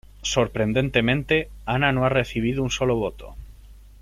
Sorprendentemente, Ana no ha recibido un solo voto.